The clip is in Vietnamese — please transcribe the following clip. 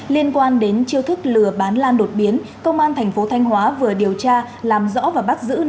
liên quan đến chiêu thức lừa bán lan đột biến công an thành phố thanh hóa vừa điều tra làm rõ và bắt giữ